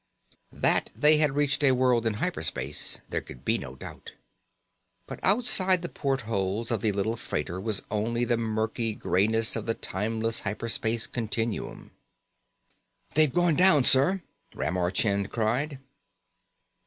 That they had reached a world in hyper space there could be no doubt. But outside the portholes of the little freighter was only the murky grayness of the timeless hyper space continuum. "They've gone down, sir!" Ramar Chind cried.